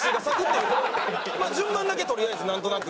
順番だけとりあえずなんとなく。